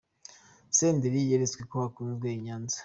Senderi yeretswe ko akunzwe i Nyanza.